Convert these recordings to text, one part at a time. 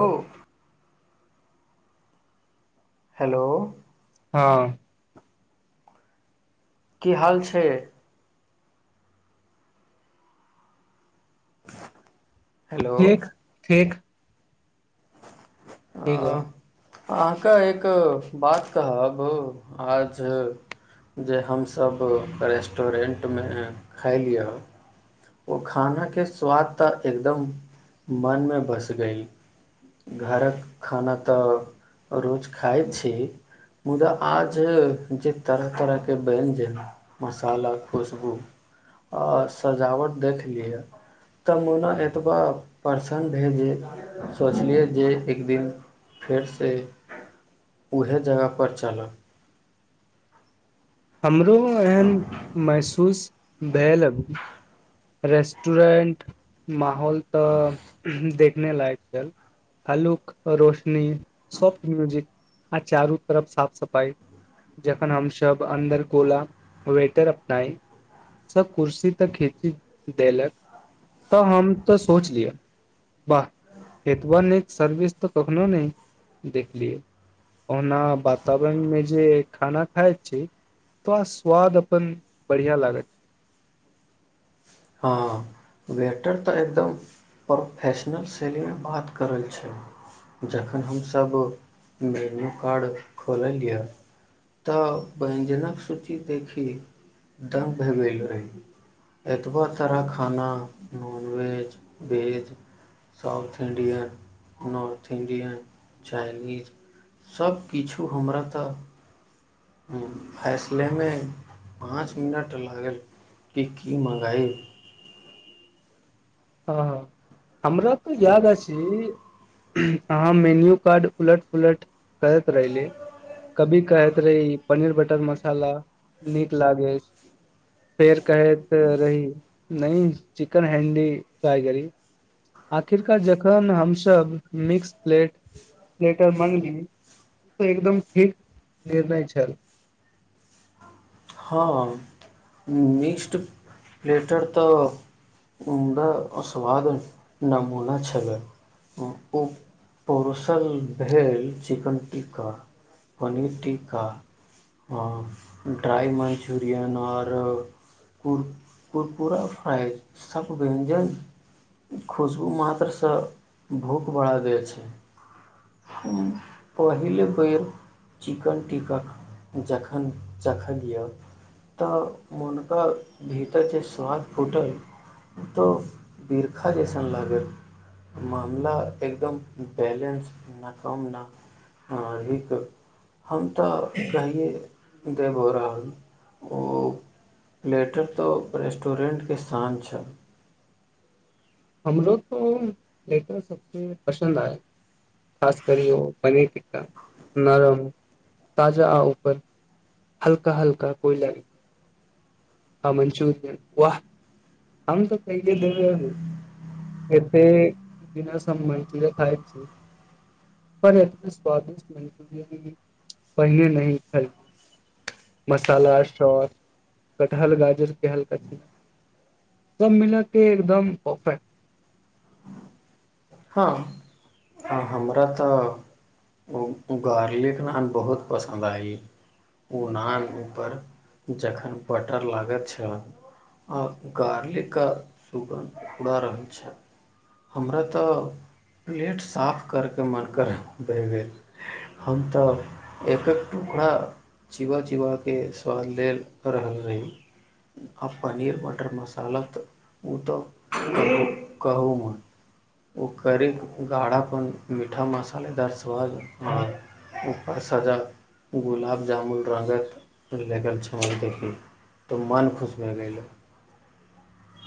हो हेलो हँ की हाल छै [unintelligible] ठीक ठीक आ ठीक बा अहाँके एक बात कहब आज जे हमसभ रेस्टरेन्टमे खाायइ लिअ ओ खाना के स्वाद तऽ एकदम मन मे बस गयी घरक खाना तऽ रोज खाइत छी मुदा आज जे तरह तरह के व्यञ्जन मसाला खुशबू आ सजावट देख लिह तऽ मुना एतबा प्रसन्न हइ जे सोचलियै जे एक दिन फेरसँ उह जगहपर चलऽ हम ो एहन महसूस भेलल अभी रेस्टुरेन्ट माहल तऽ देख ने लायक छल हलुक रोशनी सॉफ्ट म्यूजिक आ चारू तरफ साफ सफाई जखन हमस अन्दर कोला वेटर अपनाई सब कुर्सी तऽ खीची देलक तऽ हम तऽ सोचलियअ वाह हेतबा न सर्विस तऽ कखनो नहि देखलियै ओना वातावरणमे जे खाना खाइत छी तो स्वाद अपन बढ़िआँ लागत हँ वेटर तऽ एकदम प्रोफेशनल सेलिंगमे बात करल छै जखन हमसभ मेन्यू कार्ड खोललियए तऽ व्यञ्जनक सूची देखी दम भ गेल रही कतबा तारा खाना nonveg veg south Indian north Indian Chinese सबकिछु हमरा तऽ फैसलेमे पाँच मिनट लागल कि की मङ्गाइ हँ हँ हमरा तऽ याद अछि अहाँ मेन्यू कार्ड उलट पुलट करैत रहली कभी कहैत रही पनीर बटर मसाला नीक लागैत फेर कहैत रही नहि चिकेन हैंडी ्र करी आखिरकारा जखन हमसभ मिक्स प्े पलेटर मगली ओ तऽ एकदम ठीक निर्णय छल हँ मिक्स्ड प्लेटर तऽदा स्वाद नमूना छलै ओ पोसल भेल चिकन टिक्का पनीर टिक्का हँ ड्राइ मन््चुरियन आओर कुर कुरकुरा फ्राइ सब व्यञ्जन खुशबू मात्रसँ भूख बढ़ा जाइ छै पहिले बेर चिकन टिका जखन चखक य तऽ मनका भीतर जे स्वाद फूटल तऽ बिरखा जइसन लागल मामला एकदम बैलेन्स न कम ने अधिक हम तऽ कहियै देबो रहल ओ ललेटर तऽ रेस्टोरेन्टके शान छल हमलोग तो लट सबसँ पसन्द आय खास करी ओ पनीर टिक्का नरम ताजा आ ऊपर हल्का हल्का कोइ लाग ह मञ्चूरियन वाह हम तऽ कहिे देबै अभी एते दसँ हम मन्चुरिया खाइ छी पर एत स्वादिष्ट मन्चुरिय पहिने न ख मसाला शट कटहल गाजर केल सब मिल के एकदम परफेक्ट हँ हमरा तऽ गार्लिक नान बहुत पसन्द आय ओ नान पर जखन बटर लागैत छल आ गार्लिकके सुगन्ध उरा रहल छै हमरा तऽ तऽ प्लेट साफ करके मन कर भहि गेल हम तऽ एक एक टुकड़ा चिबा चिबाके स्वाद लेल रहल रही आ पनीर मटर मसाला तऽ ओ तऽ कह कहू मन ओ कर कऽ गाढ़ापन मीठा मसालेदार स्वद आओर ओकर सजा गुलाब जामुन रङ्गक लग छौँ देखी तऽ मोन खुश भए गेलहु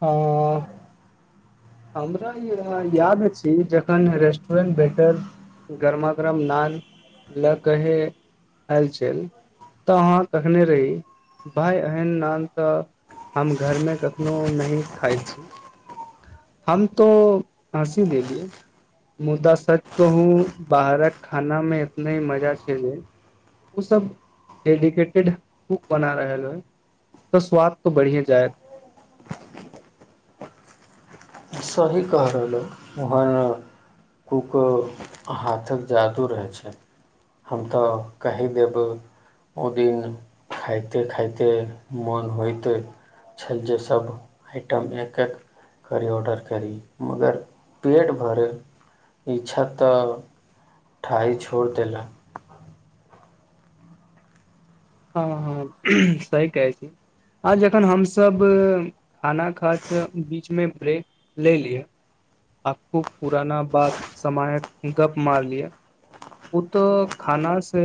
आ हमरा याद छी जखन रेस्टुरेन्ट भटर गरमागरम नान लए कहे आयल छल तऽ अहाँ कखने रही भाय एहन नान तऽ हम घरमे कखनो नहिही खाइत छी हम तो हँसी देली मुदा सच कहू बाहरक खानामे इतना ही मजा छै जे ओ सब डेडिकेटेड कुक बना रहल होइ तऽ स्वाद तो बढ़िए जायत सही कहहि रहलहुँ ओहन कूक हाथक जादू रहै छै हम तऽ कहि देब ओ दिन खाइते खाइते मोन होइत छल जे सभ आइटम एक एक करी ऑर्डर करी मगर पेट भरै इच्छा तऽ ठाइ छोड़ि देला हँ हँ सही कहै छी आ जखन हमसभ खाना खर्च बीचमे ब्रेक ल ली ह आखू पुराान बात समामायक गप मर लियए ओ तऽ खाना से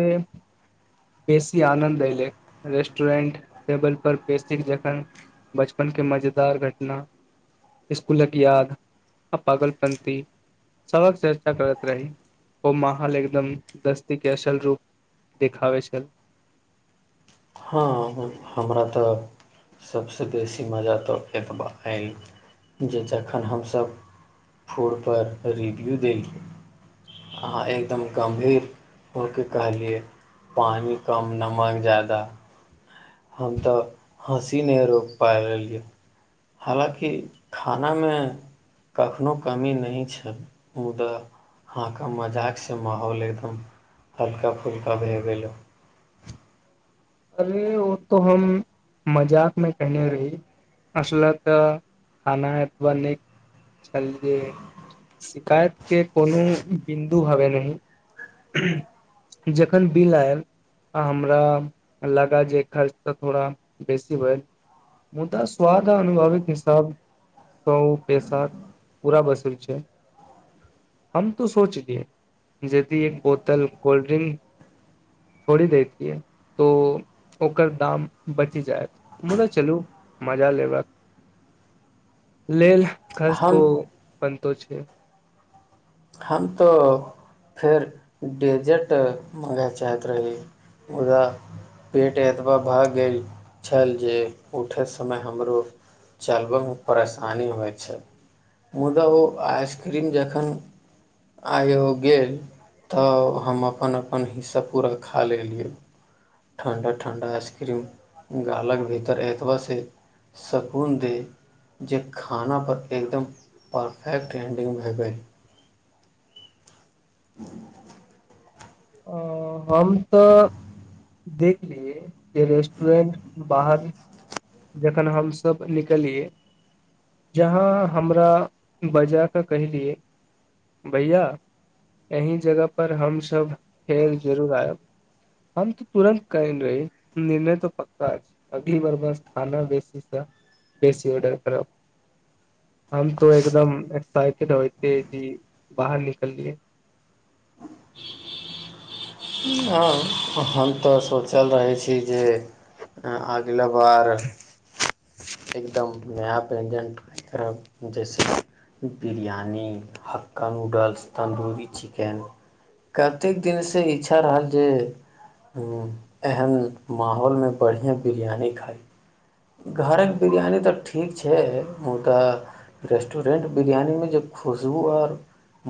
बेसी आनन्द एऐलै रेस्टरेंट टेबल पर बेसी जखन बचपन के मजेदार घटना स्कुलक याद आ पागल पंथी सबक चर्चा करैत रही ओ माहा ल एकदम दस्ती के असल रूप देखाबै छल हँ, हमरा तऽ सभसँ बेसी मजा तऽ एतबा आयल जे जखन हमसभ फूडपर रिव्यू देलियी अहाँ एकदम गम्भीर होकेऽ कहलियै पानि कम नमक जा्यादा हम तऽ हँसी नहि रोकपि पाब लेलियै हलाँकि खानामे कखनहु कमी नहि छल मुदा हहाँक मजाकसँ माहौल एकदम हल्का फुल्का भए गेलै अरे ओ तो हम मजाक मे केने रही असल तऽ खाना एतबा नहि छल जे शिकायत के कोनो बिन्दु हवे न जखन बिल आयल आ हमरा लगा जे खर्च तऽ थोड़ा बेसी भेल मुदा स्वाद आ अनुभावित हिसाब स पैसा पूरा बस छै हम त सोच दिय जेदि एक बोतल कोल्ड्रिंक छोड़ी दतिियै तो ओकर दाम बचि जायत मुदा चलू मजा लेब लेल खास हम तो अपन तो छै हम तऽ फेर डेजर्ट मङ्गय चाहैत रही मुदा पेट एतबा भऽ गेल छल जे उठय समय हमरो चलबयमे परेशानी होइत छल मुदा ओ आइसक्रीम जखन आइ हो गेल तऽ हम अपन अपन हिस्सा पूरा खा लेलियै ठण्ढा ठण्ढा आइसक्रीम गालक भीतर एतबहँ सकून दे जे खानापर एकदम परफेक्ट एंडिंग भए गेल [unintelligible] अ हम तऽ देख लियए जे रेस्टुरेंट बाहर जखन हमस निकलियै जहाँ हमरा बजा क कहलियए भैया एहिही जगह पर हमस फेर जरूर आयब हम तऽ तुरन्त कने रही निर्णय तऽ पक्का छै अभी ब [unintelligible] हँ हम तऽ सोचल रहै छी जे अगिला बार एकदम नया व्यञ्जन कर जैसे बिरयानी हक्का नूडल्स तन्दूरी चिकेन कतेक दिनसँ ई अच्छा रहल जे एहन माहौलमे बढ़िआँ बिरयानी खाइ घरक बिरयानी तऽ ठीक छै मु तऽ रेस्टरेन्ट बिरयानीमे जे खुशबू आओर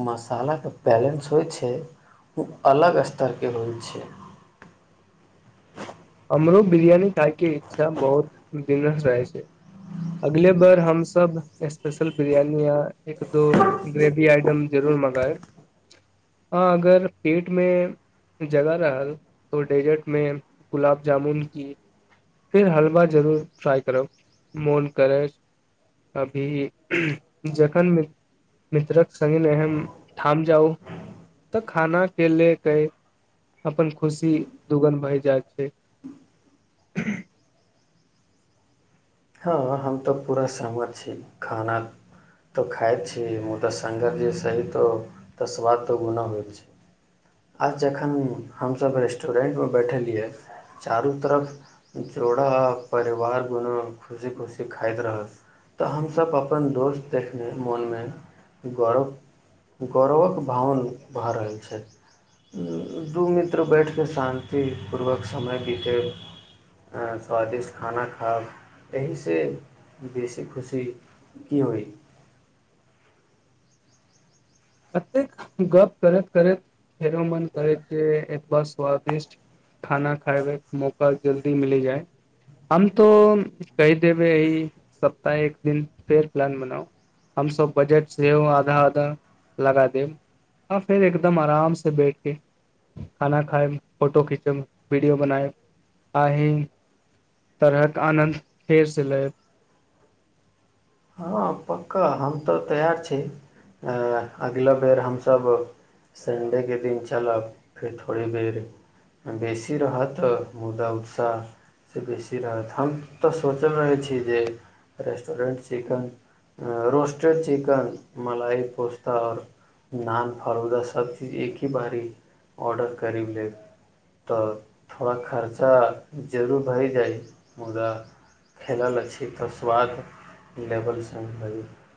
मसालाके बैलेंस होइ छै ओ अलग स्तरके होइ छै हमरो बिरयानी खायके इच्छा बहुत दिनस रहै छै अगले बर हमसब स्पेशल बिरयानी य एक दो ग्रेवी आइटम जरूर मँगायब आ अगर पेटमे जगह रहल तऽ डेजर्टमे गुलाब जामुन की फेर हलवा जरूर फ्राइ करब मोन करै अभी जखन मित्रक सङ्गी एह ठाम जाउ तऽ खानाके ले क अपन खुशी दुगन बहि जाइ छै [inaudible] हँ हम तो पूरा सत छी खाना तो खााय छी मुदा सगर जे सही तो त स्वाद तो गुना होय छै आज जखन हमस रेस्टोरेंट मे बैठलियए चारू तरफ जोड़ा परिवार गुना खुशी खुशी सिखाइत रहब तऽ हमस अपन दोस्त देखने मोनमे गौरव गौरवक भावन भऽ रहल छथि दू मित्र बैठके शान्तिपूर्वक समय बितेब स्वादिष्ट खाना खायब एहि से बेसी खुशी की होइ अत गप करैत करैत फेरो मन करै छै बस स्वादिष्ट खाना खायब मौका जल्दी मिली जाय हम तो कहि देबे एहि सप्ताह एक दिन फेर प्लान बनाउ हमस बजट सेहो आधा आधा लगा देब आ फेर एकदम आराम से बैठके खाना खायब फोटो खिचब वीडियो बनायब आह तरहक आनन्द फेर से लएब हँ पक्का हम तऽ तैयर छी अगिला बेर हमसब सन्डेके दिन चलब फेर थोड़े बेर बेसी रहत मुदा उत्साह से बेसी रहत हम तऽ सोचल रहै छी जे रेस्टोरेन्ट चिकन रोस्टेड चिकन मलाइ पोस्ता आओर नान फड़ौदा सभ चीज एक ही बारी ऑर्डर करि लेब तऽ थोड़ा खर्चा जरूर भए जाइ मुदा खेलल छी तऽ स्वाद लेबलसँ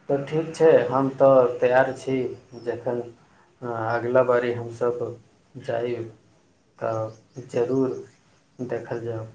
तऽ ठीक छै हम तऽ तैयर छी जखन अगिला बारी हमसभ जाइ तऽ जरूर देखल जाउ